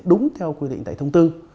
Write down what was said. đúng theo quy định tại thông tư